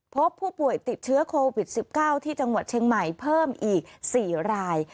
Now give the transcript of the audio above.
พบผู้ป่วยติดเชื้อโควิด๑๙ที่จังหวัดเชียงใหม่เพิ่มอีก๔ราย